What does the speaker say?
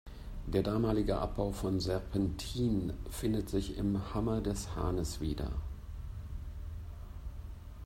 Der damalige Abbau von Serpentin findet sich im Hammer des Hahnes wieder.